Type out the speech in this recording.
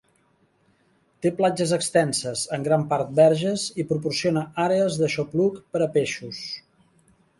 Té platges extenses, en gran part verges, i proporciona àrees d'aixopluc per a peixos.